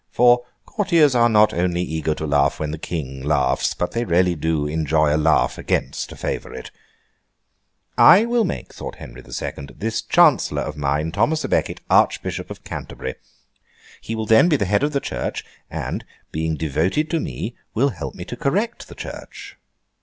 For, courtiers are not only eager to laugh when the King laughs, but they really do enjoy a laugh against a Favourite. 'I will make,' thought King Henry the second, 'this Chancellor of mine, Thomas à Becket, Archbishop of Canterbury. He will then be the head of the Church, and, being devoted to me, will help me to correct the Church.